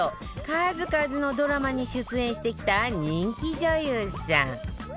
数々のドラマに出演してきた人気女優さん。